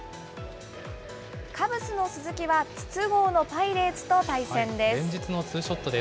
カブスの鈴木は、筒香のパイレーツと対戦です。